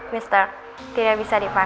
mister tidak bisa dipakai